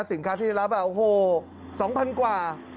สินค้าที่รับโอ้โห๒๐๐กว่า